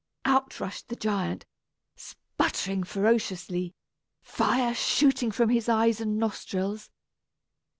Out rushed the giant, sputtering ferociously, fire shooting from his eyes and nostrils.